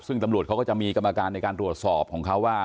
ซึ่งตำรวจเขาก็จะมีกรรมการในการตรวจสอบของเขาว่า